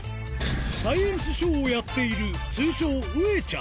サイエンスショーをやっている、通称、うえちゃん。